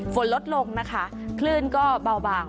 ฝนลดลงนะคะคลื่นก็เบาบาง